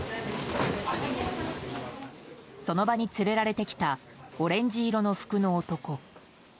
その場に連れられてきたオレンジ色の服の男。